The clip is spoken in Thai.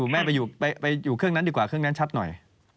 แม่ไปอยู่เครื่องนั้นดีกว่าเครื่องนั้นชัดหน่อย